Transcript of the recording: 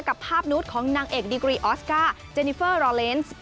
กับภาพนุษย์ของนางเอกดีกรีออสการ์เจนิเฟอร์รอเลนส์